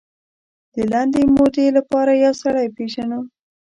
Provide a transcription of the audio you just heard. د لنډې مودې لپاره یو سړی پېژنو.